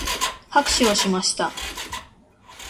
拍手をしました。